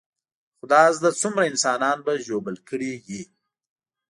خدا زده څومره انسانان به ژوبل کړي وي.